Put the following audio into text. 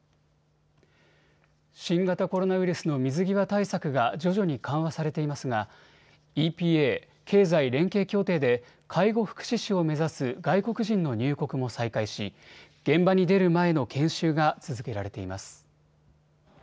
新型コロナウイルスの水際対策が徐々に緩和されていますがＥＰＡ＝経済連携協定で介護福祉士を目指す外国人の入国も再開し現場に出る前の研修が続けられています。